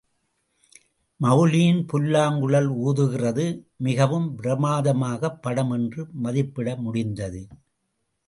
மெளலியின் புல்லாங்குழல் ஊதுகிறது மிகவும் பிரமாதமாக படம் என்று மதிப்பிட முடிந்தது.